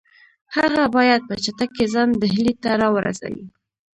هغه باید په چټکۍ ځان ډهلي ته را ورسوي.